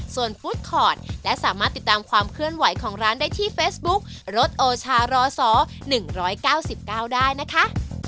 ส่วนฟุตคอร์ดและสามารถติดตามความเครื่องไหวของร้านได้ที่เฟสบุ๊ครถโอชาร่อส่อหนึ่งร้อยเก้าสิบเก้าได้นะคะ